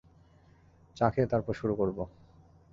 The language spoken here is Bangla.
চা খেয়ে তারপর শুরু করব।